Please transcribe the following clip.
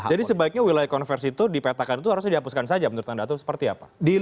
sebaiknya wilayah konversi itu dipetakan itu harusnya dihapuskan saja menurut anda atau seperti apa